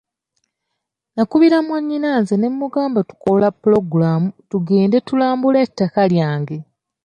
Nakubira mwannyinaze ne mmugamba tukola pulogulaamu tugende tulambule ettaka lyange.